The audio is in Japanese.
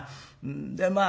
でまあ